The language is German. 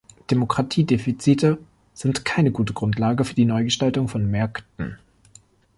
Demokratiedefizite sind keine gute Grundlage für die Neugestaltung von Märkten.